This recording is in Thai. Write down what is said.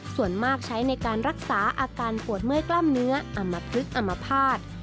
ส่วนมากใช้ในการรักษาอาการปวดเมื่อยกล้ามเนื้ออำมพลึกอมภาษณ์